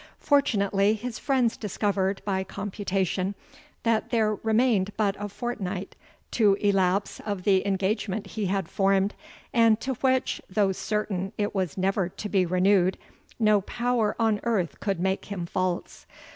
Fortunately, his friends discovered, by computation, that there remained but a fortnight to elapse of the engagement he had formed, and to which, though certain it was never to be renewed, no power on earth could make him false.